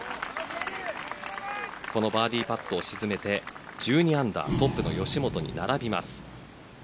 このバーディーパットを沈めて１２アンダートップの吉本に並びます。